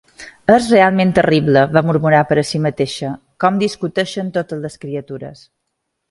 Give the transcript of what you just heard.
"És realment terrible", va murmurar per a si mateixa, "com discuteixen totes les criatures".